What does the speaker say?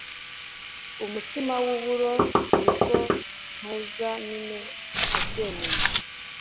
umutsima w'uburo. ni bwo ntuza nyine abyemeye